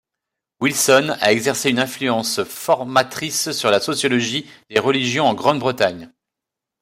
Wilson a exercé une influence formatrice sur la sociologie des religions en Grande-Bretagne.